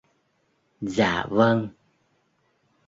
Dạ vâng